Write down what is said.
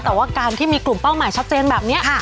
แต่ว่าการที่มีกลุ่มเป้าหมายชัดเจนแบบนี้